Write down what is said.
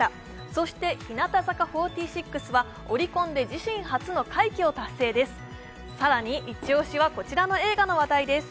そして日向坂４６はオリコンで自身初の快挙を達成です。